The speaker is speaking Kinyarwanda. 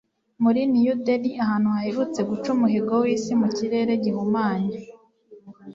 Muri New Delhi – ahantu haherutse guca umuhigo w'isi mu kirere gihumanye